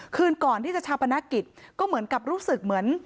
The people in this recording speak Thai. คืนก่อนที่จะชาปนกิจก็เหมือนกับรู้สึกเหมือน